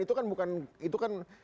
itu kan bukan itu kan